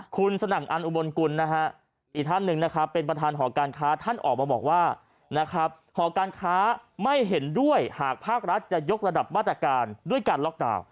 คุณสนัขอนุบนกุล